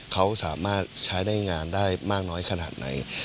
เขาสามารถใช้ได้งานได้มากน้อยขนาดไหน